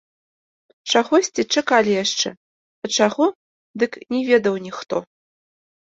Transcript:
Чагосьці чакалі яшчэ, а чаго, дык не ведаў ніхто.